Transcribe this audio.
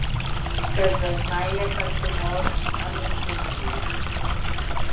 Que es desmaia per tumors en l'intestí.